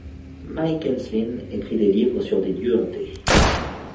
Mike Enslin écrit des livres sur des lieux hantés.